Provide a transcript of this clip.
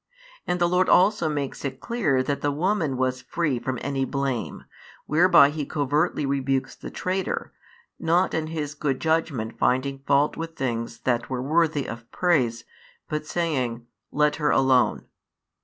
And the Lord also makes it clear that the woman was free from any blame, whereby He covertly rebukes the traitor; not in His good judgment finding fault with things that were worthy of praise, but saying: Let her alone.